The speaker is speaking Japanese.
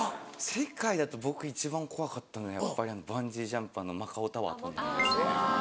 世界だと僕一番怖かったのはやっぱりバンジージャンプマカオタワー飛んだのですね。